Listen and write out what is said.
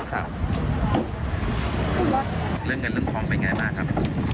เรื่องกันเรื่องท้องเป็นอย่างไรมากครับ